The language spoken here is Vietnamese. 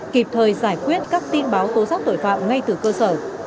kịp thời giải quyết các tin báo tố giác tội phạm ngay từ cơ sở